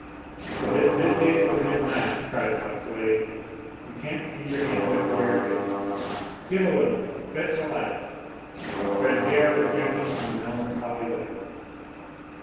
"Is it midday or midnight?" cried Bossuet. "You can't see your hand before your face. Gibelotte, fetch a light." Grantaire was drinking in a melancholy way.